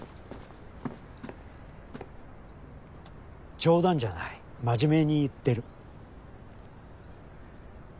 冗談じゃない真面目に言ってる。